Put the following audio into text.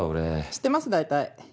知ってます大体。